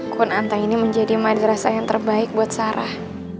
kunanta ini menjadi madrasah yang terbaik buat sarah